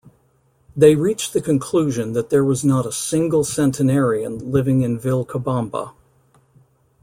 They reached the conclusion that there was not a single centenarian living in Vilcabamba.